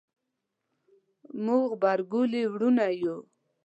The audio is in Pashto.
موږ غبرګولي وروڼه یو